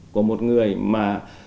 của một người mà